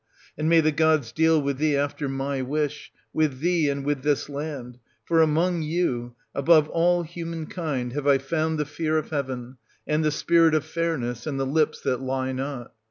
And may the gods deal with thee after my wish, — with thee, and with this land ; for among you, above all human kind, have I found the fear of heaven, and the spirit of fairness, and the lips that lie not.